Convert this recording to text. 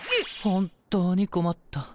本当に困った。